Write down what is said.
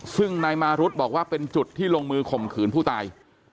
ซึ่งนายมารุธบอกว่าเป็นจุดที่ลงมือข่มขืนผู้ตาย